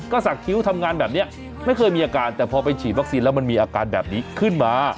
ก็สักคิ้วทำงานแบบนี้ไม่เคยมีอาการแต่พอไปฉีดวัคซีนแล้วมันมีอาการแบบนี้ขึ้นมา